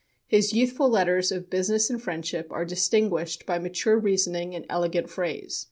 His youthful letters of business and friendship are distinguished by mature reasoning and elegant phrase.